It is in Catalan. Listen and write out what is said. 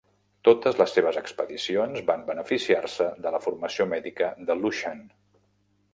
Totes les seves expedicions van beneficiar-se de la formació mèdica de Luschan.